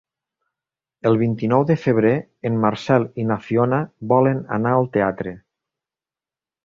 El vint-i-nou de febrer en Marcel i na Fiona volen anar al teatre.